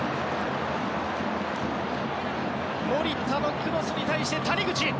守田のクロスに対して、谷口。